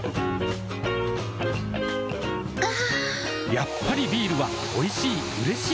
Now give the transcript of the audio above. やっぱりビールはおいしい、うれしい。